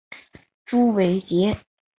朱伟捷。